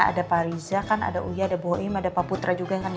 ada pak riza kan ada uya ada boim ada pak putra juga kan ya